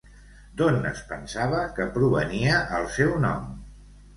D'on es pensava que provenia el seu nom?